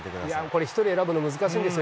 これ、１人選ぶの難しいんですよ。